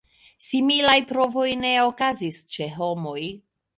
Similaj provoj ne okazis ĉe homoj.